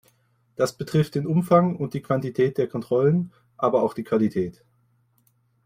Das betrifft den Umfang und die Quantität der Kontrollen, aber auch die Qualität.